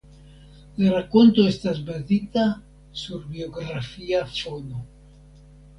La rakonto estas bazita sur biografia fono.